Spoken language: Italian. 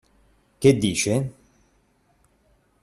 Che dice?